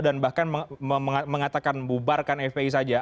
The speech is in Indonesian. dan bahkan mengatakan bubarkan fpi saja